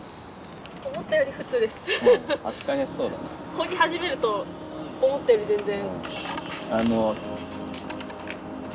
こぎ始めると思ったより全然。